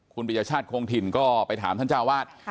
คุณปริญญาชาติคงถิ่นก็ไปถามท่านเจ้าวาด